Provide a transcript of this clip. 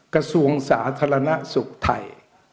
กระทรวงสาธารณสุขไทย